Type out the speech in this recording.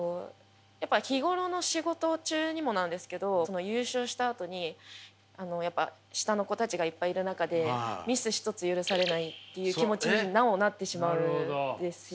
やっぱり日頃の仕事中にもなんですけど優勝したあとにやっぱ下の子たちがいっぱいいる中でミス一つ許されないっていう気持ちになおなってしまうんですよ。